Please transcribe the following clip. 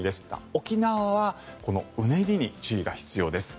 沖縄はこのうねりに注意が必要です。